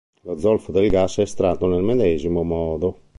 Lo zolfo del gas è estratto nel medesimo modo.